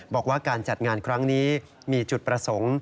บอกว่าการจัดงานครั้งนี้มีจุดประสงค์